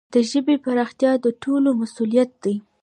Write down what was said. د ژبي پراختیا د ټولو مسؤلیت دی.